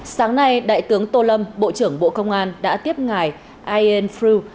sáng nay đại tướng tô lâm bộ trưởng bộ công an đã tiếp ngài ian frew